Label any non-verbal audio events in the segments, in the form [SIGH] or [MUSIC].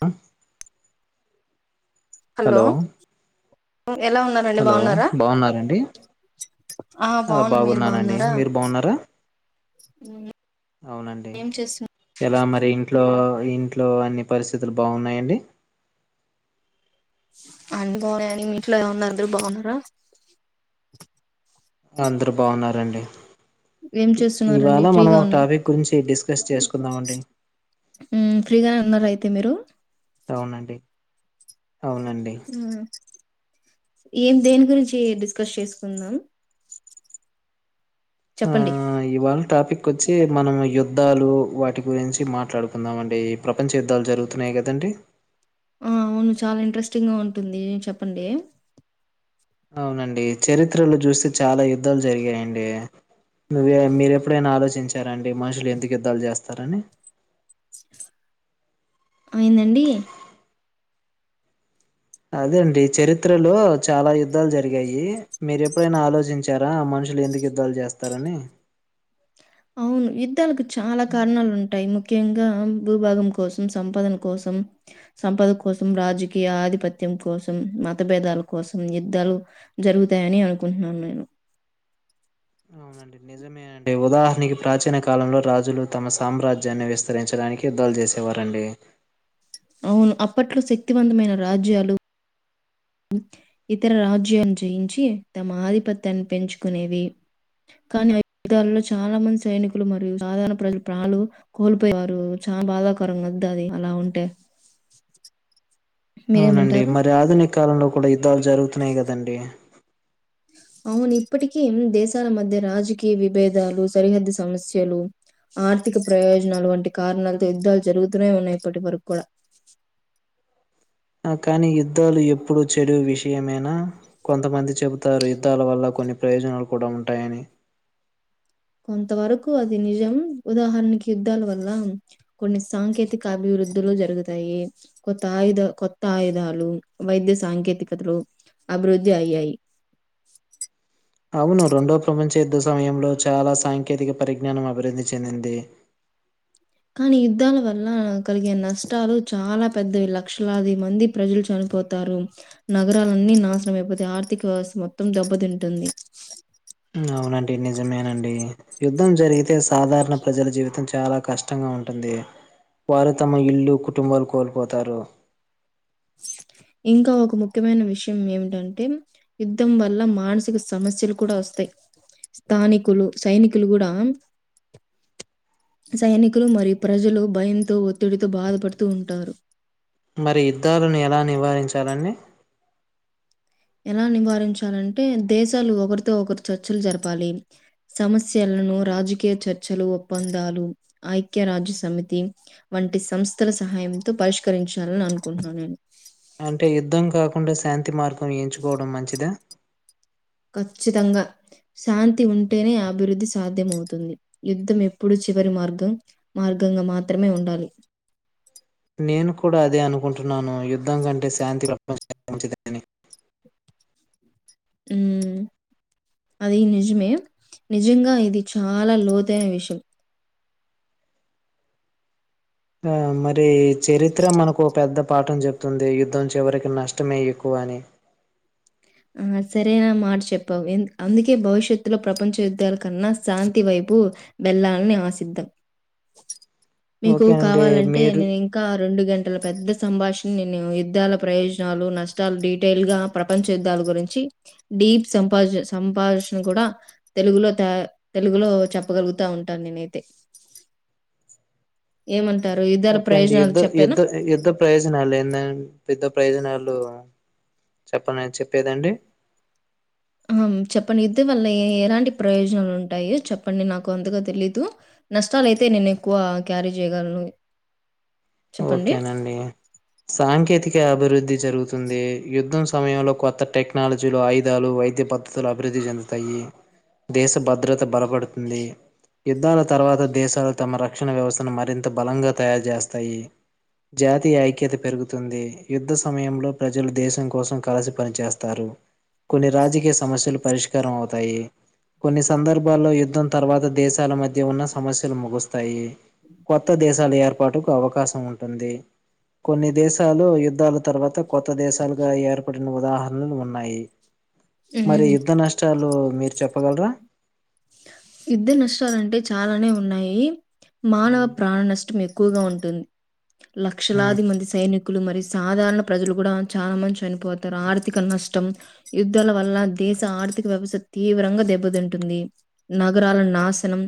ఆ హలో ఎలా ఉన్నారండి హలో బాగున్నారా బాగున్నారండి ఆ బాగున్న మీరు బాగున్నానండి బాగున్నారా మీరు బాగున్నారా అవునండి ఏం చేస్తున్నా ఎలా మరి ఇంట్లో ఇంట్లో అన్ని పరిస్థితులు బాగున్నాయండి అని బాగున్నాయిని మీ ఇంట్లో ఏమన్నారు అందరు బాగున్నారా అందరు బాగున్నారండి ఏం ఇ ఇవాళ చేస్తున్నారండి మనం, ఫ్రీగా ఒక ఉన్నారు టాపిక్ గురించి డిస్కస్ చేసుకుందామండి. ఉమ్ ఫ్రీగానే ఉన్నారా, అయితే మీరు. అవునండి, అవునండి. ఉమ్, ఏం దేని గురించి, డిస్కస్ చేసుకుందాం. ఆ చెప్పండి ఇవాళ టాపిక్, కొచ్చి మనం యుద్ధాలు వాటి గురించి మాట్లాడుకుందాం అండి. ఈ ప్రపంచ యుద్ధాలు, జరుగుతున్నాయి కదండ్, డి. ఆ అవున్ చాలా ఇంట్రెస్టింగ్ గా ఉంటుంది, చెప్పండి. అవునండి. చరిత్రలో చూస్తే చాలా యుద్ధాలు జరిగాయండి. నువ్వే, మీర్ ఎప్పుడైనా ఆలోచించ్ చార అండి. మనుషులు ఎందుకు యుద్ధాలు జేస్తారని. ఆ ఏందండి. అదేండి, చరిత్రలో చాలా యుద్ధాలు జరిగాయి. మీరు ఎప్పుడైనా ఆలోచించారా మన్, మనుషులు ఎందుకు యుద్ధాలు జేస్తారని. అవును యుద్ధాలకు చాలా కారణాలు ఉంటాయి. ముఖ్యంగా భూభాగం కోసం, సంపాదన కోసం, సంపద కోసం, రాజకీయ ఆధిపత్యం కోసం, మతభేదాల కోసం, యుద్ధాలు జరుగుతాయని అనుకుంటున్నాను నేను. అంటే ఉదాహరణికి ప్రాచీన కా, కాలంలో రాజులు తమ సామ్రాజ్యాన్ని విస్తరించడానికి, యుద్ధాలు జేసేవారండి. అవును, అప్పట్లో శక్తివంతమైన రాజ్యాలు, ఉమ్ ఇతర రాజ్యాన్ని జయించి, తమ ఆధిపత్యాన్ని పెంచుకునేవి. కానీ ఆ యుద్ధాలలో చాలా మంది సైనికులు మరియు సాధారణ ప్రజలు ప్రాణాలు కోల్పోయారు. చాన బాధాకరం వద్ద, అది అలా ఉంటే. అవునండి. మీరేమంటారు? మరి ఆధునిక్ కాలంలో కూడా యుద్ధాలు జరుగుతున్నాయి కదండి. అవును, ఇప్పటికీ ఎన్ని దేశాల మధ్య రాజకీయ విభేదాలు, సరిహద్దు సమస్యలు, ఆర్థిక ప్రయోజనాలు వంటి కారణాలతో, యుద్ధాలు జరుగుతూనే ఉన్నాయి ఇప్పటి వరక్ కూడా. ఆ కానీ యుద్ధాలు ఎప్పుడు చెడు విషయమైనా, కొంతమంది చెబుతారు. యుద్ధాల వల్ల కొన్ని ప్రయోజనాలు కూడా ఉంటాయని. కొంత వరకు అది నిజం. ఉదాహరణకి యుద్ధాల వల్ల కొన్ని సాంకేతిక అభివృద్ వృద్ధులు జరుగుతాయి. కొత్త ఆయుధ, కొత్త ఆయుధాలు, వైద్య సాంకేతికతలు, అభివృద్ధి అయ్యాయి. అవును రెండో ప్రపంచ యుద్ధ సమయంలో, చాలా సాంకేతిక పరిజ్ఞానం అభివృద్ధి చెందింది. కాని యుద్ధాల వల్ల కలిగే నష్టాలు చాలా పెద్దవి. లక్షలాది మంది ప్రజలు చనిపోతార్. ఉమ్ నగరాలన్నీ నాశనమైపోతాయి, ఆర్థిక వ్యవస్థ మొత్తం దెబ్బతింటుంది. ఉమ్ అవునండి నిజమేనండి. యుద్ధం జరిగితే సాధారణ ప్రజల జీవితం చాలా, కష్టంగా ఉంటుంది. వారు తమ ఇల్లు, కుటుంబాలు కోల్పోతారు. అ ఇంకా ఒక ముఖ్యమైన విషయం ఏమిటంటే, యుద్ధం వల్ల మానసిక సమస్యలు కూడా ఓస్తాయి. స్థానికులు, సైనికులు గుడా సైనికులు మరియు ప్రజలు భయంతో, ఒత్తిడితో బాధపడుతూ ఉంటారు. మరి యుద్ధాలను ఎలా నివారించాలండి. ఎలా నివారించాలంటే, దేశాలు ఒకరితో ఒకరు చర్చలు జరపాలి. సమస్యలను రాజకీయ చర్చలు, ఒప్పందాలు, ఐక్య రాజ్య సమితి వంట్ వంటి సంస్థల సహాయంతో, పరిష్కరించాలని అనుకుంటున్నాను నేను. అంటే యుద్ధం కాకుండా, శాంతి మార్గం ఎంచుకోవడం మంచిదా. చ్చితంగా. శాంతి ఉంటేనే అభివృద్ధి సాధ్యమవుతుంది యుద్ధం ఎప్పుడు చివరి మార్గం మార్గం గంగ మాత్రమే ఉండాలి నేను కూడా అదే అనుకుంటున్నాను యుద్ధం కంటే శాంతి మంచిది [UNINTELLIGIBLE] మ్మ్ అది నిజమే నిజంగా ఇది చాలా లోతైన విషయం ఆ మరి చరిత్ర మనకు పెద్ద పాఠం చెప్ తుంది యుద్ధం చివరికి నష్టమే ఎక్కువ అని ఆ సరేైన మాట చెప్పావు అందుకే భవిష్యత్తులో ప్రపంచ యుద్ధాల కన్నా శాంతి వైపు తప్పు బెళ్లాలని ఆశిద్దాం మీకు ఓకే అండి కావాలంటే మీరు నేను ఇంకా రెండు గంటల పెద్ద సంభాషణ నేను యుద్ధాల ప్రయోజనాలు నష్టాలు డీటెయిల్ గా ప్రపంచ యుద్ధాల గురించి డీప్ సం సంభాషణ కూడా తెలుగులో తెలుగులో చెప్పగలుగుతా ఉంటాను నేనైతే ఏమంత ఓకే అండి యుద్ధ యుద్ధ యుద్ధ ప్రయోజనాలు ఎ పెద్ద్ద ప్రయోజనాలు చెప్పం చెప్పేదండి ఆ చెప్పండి ఇది వల్ల ఎలాంటి ప్రయోజనాలు ఉంటాయి చెప్పండి నాకు అందుగా తెలీదు నష్టాలుయితే నేను ఎక్కువ క్యారీ చేయగలను చెప్పండి. ఓకేనండి సాంకేతిక అభివృద్ధి జరుగుతు ఉంది యుద్ధం సమయంలో కొత్త టెక్నాలజీలు ఆయుధాలు వైద్య పద్ధతులు అభివృద్ధి చెందుతాయి దేశ భద్రత బలపడుతుంది యుద్ధాల తర్వాత దేశాలు తమ ర రక్షణ వ్యవస్థను మరింత బలంగా తయారు చేస్తాయి జాతీయ ఐక్యత పెరుగుతుంది యుద్ధ సమయంలో ప్రజ ప్రజలు దేశం కోసం కలసి పనిచేస్తారు కొన్ని రాజకీయ సమస్యలు పరిష్కారం అవుతారు అతాయి కొన్ని సందర్భాల్లో యుద్ధం తర్వాత దేశాల మధ్య ఉన్న సమస్యలు ముగుస్తాయి కొత్త దేశాల ఏర్పాటుకు అవకాశం ఉంటుంది కొన్ని దేశాలు యుద్ధాల తర్వాత కొత్త దేశాలుగా ఏర్పడి ఉదాహరణలు ఉన్నాయి మరి హ్మ్. యుద్ధ నష్టాలు మీరు చెప్పగలరా యుద్ధ నష్టాలంటే చాలానే ఉన్నాయి మానవ ఉమ్, ప్రాణ నష్టం ఎక్కువగా ఉంటు లక్షలాది మంది సైనికులు మరియు సాధారణ ప్రజలు కూడా చాలా మంచి చనిపోతారు ఆర్థిక నష్టం యుద్ధాల వల్ల దేశ ఆర్థిక వ్యవస్థ తీవ్రంగా దెబ్బతింటుంది నగరాల నాశనం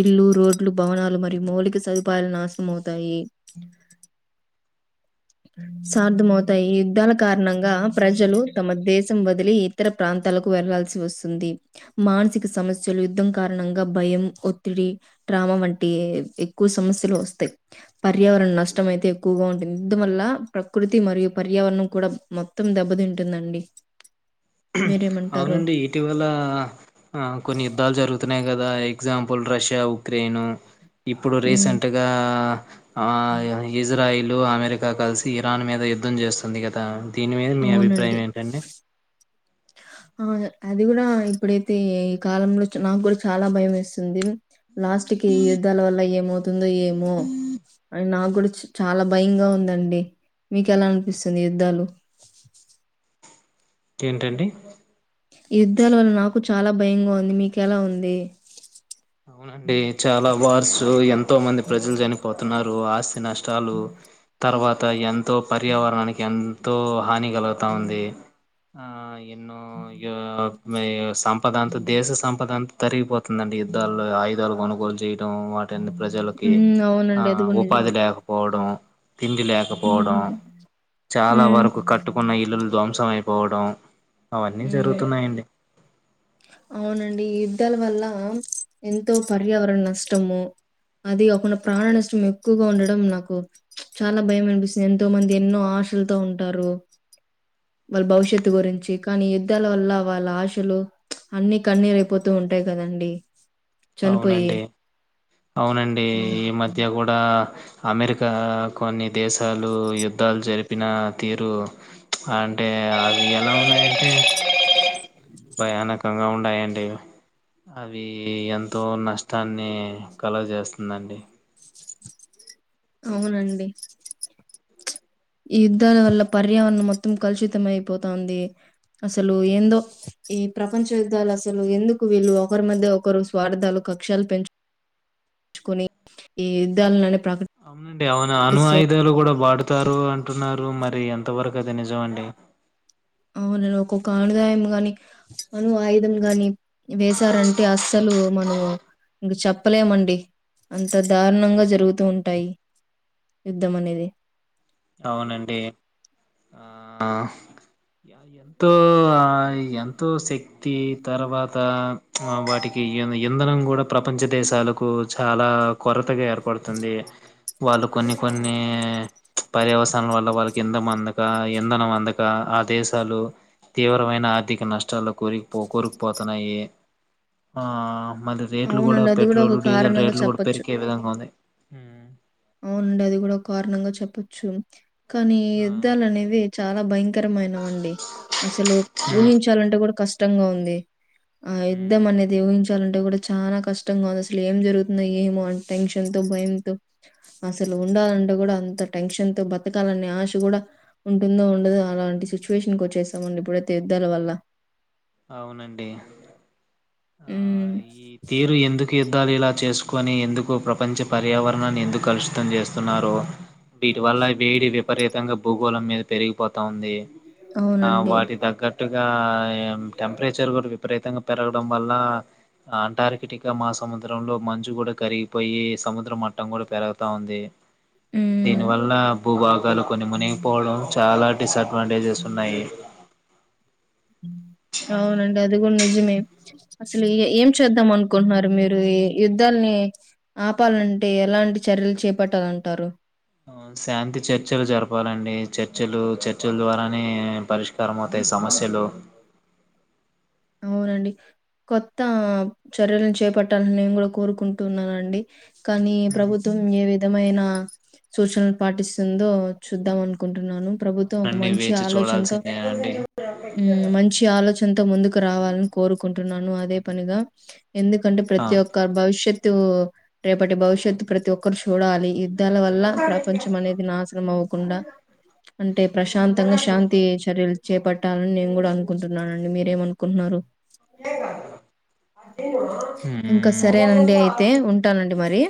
ఇళ్లు రోడ్లు భవనాలు మరియు మౌలిక సదుపాయలు నాశనం అవుతాయి సార్థమవుతాయి ఈ యుద్ధాల కారణంగా ప్రజలు తమ దేశం వదిలి ఇతర ప్రాంతాల తలకు వెళ్లాల్సి వస్తుంది మానసిక సమస్యలు యుద్ధం కారణంగా భయం ఒత్తిడి డ్రామ వంటి ఎక్కువ సమస్యలు వస్తాయి పర్యావరణ నష్టం అయితే ఎక్కువగా ఉంటుంది ఇద్దు వల్ల ప్రకృతి మరియు పర్యావరణం కూడా మొత్తం దెబ్బతింటుందండి మీరేమంటారు? అవునండి ఇటీవల ఆ కొన్ని యుద్ధాలు జరుగుతున్నాయి కదా ఎగ్జాంపుల్ రష్యా ఉక్రెయిన్ ఇప్పుడు హ్మ్. రీసెంట్గా ఇజ్రాయిల్ అమెరికా కలిసి ఇరాన్ మీద యుద్ధం చేస్తుంది గత దీని మీద మీ అభిప్రాయం అవునండి. ఏంటండి ఆ అది కూడా ఇప్పుడైతే ఈ కాలంలో నాకు కూడా చాలా భయం వేస్తుంది లాస్ట్ కి యుద్ధాల వల్ల ఏమవుతుందో ఏమో అ నాకు కూడా చ చాలా భయంగా ఉందండి మీకు ఎలా అనిపిస్తుంది యుద్ధాలు ఏంటండి ఈ యుద్ధాల వల్ల నాకు చాలా భయంగా ఉంది మీకెలా ఉంది. అవునండి చాలా వార్సు ఎంతో మంది ప్రజలు చనిపోతున్నారు, ఆస్ నష్టాలు తర్వాత ఎంతో పర్యావరణానికి ఎంతో హానిగా గుతా ఉంది, ఆ ఎన్నో సంపద అంతా దేశ సంపద అంతా తరిగిపోతుందండి యుద్ధాలు ఆయుధాలు కొనుగోలు చేయ వాటిని ప్రజలకి హ్మ్. ఆ అవునండి. అది కూడా ఉపాధి నిజమే. లేకపోవడం తిండి లేకపోవడం హ్మ్. చాలా హ్మ్. వరకు కట్టుకున్న ఇల్లులు ధ్వంసం అయిపో పోవడం అవన్నీ హ్మ్. జరుగుతున్నాయండి. అవునండి యుద్ధాల వల్ల ఎంతో పర్యావరణ నష్టము, అది అకుండా ప్రాణ నష్టం ఎక్కువగా ఉండడం నాకు చాలా భయం అనిపిస్తుంది. ఎంతో మంది ఎన్నో ఆశలతో ఉంటారు, వాళ్ళ భవిష్యత్తు గురించి కానీ యుద్ధాల వల్ల వాళ్ళ ఆశలు, అన్నీ కన్నీరుయిపోతూ ఉంటాయి కదండి, అవునండి అవునండి హ్మ్. ఈ మధ్య కూడా అమెరికా కొన్ని దేశాలు యుద్ధాలు జరిపిన తీరు అంటే ఎ అది ఎలా ఉనాయి [UNINTELLIGIBLE] భయానకంగా ఉన్నాయండి అవి ఎంత ఎంతో నష్టాన్ని కలగజేస్తుందండి. అవునండి ఈ యుద్ధాల వల్ల పర్యావరణం మొత్తం కలుషితం అయిపోతుంది, అసలు ఏందో ఈ ప్రపంచ యుద్ధాలు అసలు ఎందుకు వీళ్ళు ఒకరి మధ్య ఒకరు స్వార్థాలు కక్షలు పెంచు, కోన్ని ఈ యుద్ధాలని ప్రకటించ అ అ అనుయుధాలు కూడా వాడుతారు అంటున్నా, నారు మరి ఎంతవరకు అది నిజం అండి, అవునను ఒక్కొక్క ఆనుదాయం గాని అను ఆయుధం గాని వేసారంటే అస్సలు మనము ఇంకా చెప్పలేమండి అంత దారుణంగా జరుగుతూ ఉంటాయి. యుద్ధం అనేది అవునండి ఆ ఎంతో ఆ ఎంతో శక్తి తర్వాత వాటికి ఇంధనం కూడా ప్రపంచ దేశాలకు చాలా కొర కొరాత గా ఏర్పడుతుంది, వాళ్ళు కొన్ని కొన్ని పర్యావసనం వల్ల వాళ్ళకి ఇంధం అందక ఇంధనం అందక ఆ దేశాలు తీవ్రమైన ఆర్థిక నష్టాల్లో కోరిపో కోరికుపోతున్నాయి మళ్ళ రేట్లు కూడా అవునండి. అది పెట్రోల్ ఒక డీజిల్ కారణంగా రేట్లు కూడా చెప్పొచ్చు. పెరిగే విధంగా ఉంది. అవునండి అది కూడా కారణంగా చెప్పచ్చు కానీ ఆ యుద్ధాలు అనేది చాలా భయంకా కరమైనవండి అసలు ఉమ్ ఊహించాలంటే కూడా కష్టంగా ఉంది ఆ యుద్ధం ఉమ్ అనేది ఊహించ అంటే కూడా చాలా కష్టంగా ఉంది అసలు ఏం జరుగుతున్నా ఏమో అ టెన్షన్ తో భయంతో అసలు ఉండాలంటూ కూడా అంత టెన్షన్ తో బతకాలనే ఆశ కూడా ఉంటుందో ఉండదుో అలా ఇలాంటి సిచ్యువేషన్కి వచ్చేసామండి ఇప్పుడైతే యుద్ధాల వల్ల అవునండి ఆ హ్మ్. ఈ తీరు ఎందుకు అయుద్దాలు ఇలా చేసుకొని ఎందుకు ప్రపంచ పర్యావరణాన్ని ఎందుకు కలుషితం చేస్తున్నారో వీటి వల్ల వేడి విపరీతంగా భూగోళం మీద పెరిగిపోతా ఉంది. ఆ అవునండి. వాటి తగ్గట్టుగా టెంపరేచర్ కూడా విపరీతంగా పెరగడం వల్ల అంటార్కిటిక్ మా సముద్రంలో మంచు కూడా కరిగిపోయి సముద్ర మట్టం కూడా పెరుగుతా ఉంది ఉ దీని వల్ల భూభాగాలు కొని మునిగిపోవడం చాలా డిసఅడ్వాంటేజెస్ ఉన్నాయి. అవునండి అది గూడ్ నిజమే. అసలు ఏ ఏం చేద్దాం అనుకుంటున్నారు మీరు.? ఈ యుద్ధాల్ని. ఆపల్నంటే ఎలాంటి చర్యలు చేపట్టాలంటారు.? ఆ శాంతి చర్చలు జరపాలండి. చర్చలు, చర్చల్ ద్వారానే పరిష్కారం అవు. తాయి సమస్యలు. అవునండి, కొత్త చర్యలను చేపట్టాలని నేను గూడా కోరుకుంటున్నానండి. కానీ, ఉమ్ ప్రభుత్వం ఏ విధమైన. సూచన పాటిస్తుందో చూద్దాం అనుకుంటున్నాను. ! ప్రభుత్వం ఒక అవునండి మంచి వేచి ఆలోచన్తో, చూడాల్సిందేనండి ఊ మంచి ఆలోచన్తో ముందుక్. క్రావాలని కోరుకుంటున్నాను అదే పనిగా. ఎందుకంటే, ఆ ప్రతి ఒక్క భవిష్య. త్తు, రేపటి భవిష్యత్తు ప్రతి ఒక్కరు చూడాలి యి. ద్ధాల వల్ల ప్రపంచం అనేది నాశనం అవ్వకుండా. అంటే ప్రశాంతంగా శాంతి చర్యలు చేపట్టాలని నేను గూడా అనుకుంటున్నానం. డి మీరేమన్కున్నారు.? ! ఇంకా ఉమ్ సరేనండి అయితే, ఉంటానండి మరి. !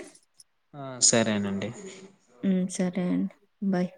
ఆ సరేనండి. ! ఊమ్మ్ సరే అండి బాయ్.